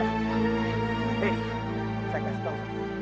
hei saya kasih tau